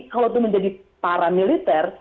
kalau itu menjadi paramiliter